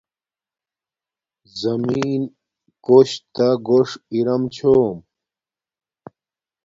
زمین کوش تہ گوݽ ارم چھوم